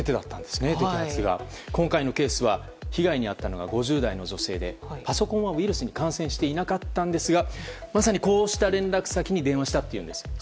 今回のケースは被害に遭ったのは５０代の女性でパソコンはウイルスに感染していなかったんですがまさにこうした連絡先に連絡したというんです。